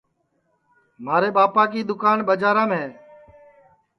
مھارے ٻاپا کی دوکان ٻجارام ہے